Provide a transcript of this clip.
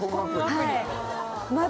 はい。